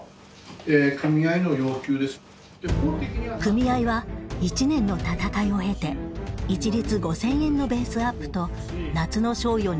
組合は１年の闘いを経て一律５０００円のベースアップと夏の賞与２０万円を勝ち取った。